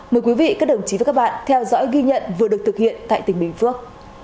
mời quý vị các đồng chí và các bạn theo dõi ghi nhận vừa được thực hiện tại tỉnh bình phước